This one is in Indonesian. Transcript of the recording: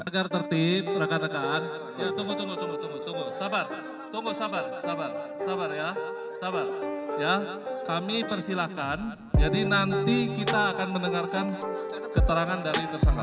agar tertib rekan rekan tunggu tunggu tunggu sabar tunggu sabar sabar sabar ya sabar ya kami persilahkan jadi nanti kita akan mendengarkan keterangan dari tersangka